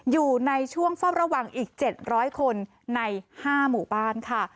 อยู่ในช่วงเฝ้าระวังอีก๗๐๐คนใน๕หมู่บ้านค่ะ